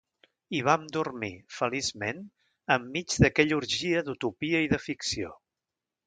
I vam dormir, feliçment, enmig d'aquella orgia d'utopia i de ficció.